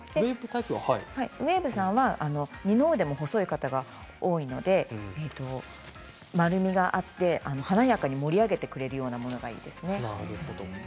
ウエーブさんは二の腕も細い方が多いので丸みがあって華やかに盛り上げてくれるようなものがいいですね。